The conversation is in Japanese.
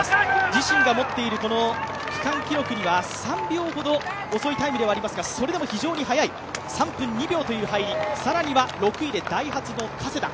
自身が持っている区間記録には３秒ほど遅いタイムではありますがそれでも非常に早い３分２秒という入り更には６位でダイハツの加世田。